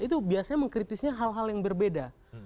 itu biasanya mengkritisinya hal hal yang berbeda